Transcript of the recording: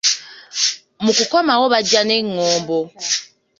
Mu kukomawo bajja n’engombo.